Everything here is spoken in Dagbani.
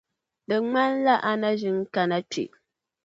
Di ŋmanila a na ʒin kana kpe.